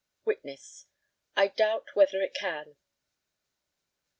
Witness: I doubt whether it can.